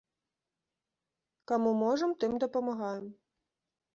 Каму можам, тым дапамагаем.